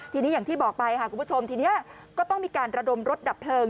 ทีนี้อย่างที่บอกไปค่ะคุณผู้ชมทีนี้ก็ต้องมีการระดมรถดับเพลิง